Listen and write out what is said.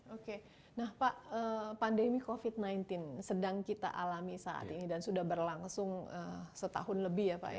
oke nah pak pandemi covid sembilan belas sedang kita alami saat ini dan sudah berlangsung setahun lebih ya pak ya